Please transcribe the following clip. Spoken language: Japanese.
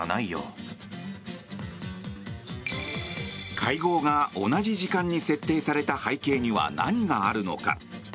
会合が同じ時間に設定された背景には何があるのか。